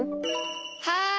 はい？